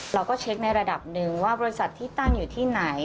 เราก็เช็คในระดับหนึ่งว่าบริษัทที่ตั้งอยู่ที่ไหน